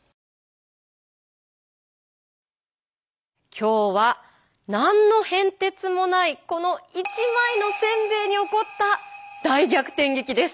今日は何の変哲もないこの一枚のせんべいに起こった大逆転劇です。